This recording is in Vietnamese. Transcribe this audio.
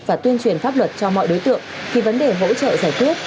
và tuyên truyền pháp luật cho mọi đối tượng thì vấn đề hỗ trợ giải quyết